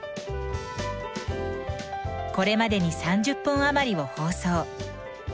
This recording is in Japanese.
これまでに３０本余りを放送。